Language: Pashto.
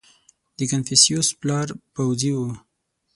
• د کنفوسیوس پلار پوځي و.